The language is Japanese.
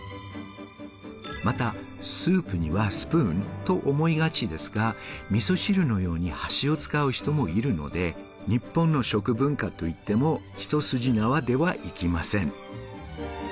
また、スープにはスプーン？と思いがちですが、みそ汁のように箸を使う人もいるので、日本の食文化といっても一筋縄ではいきません。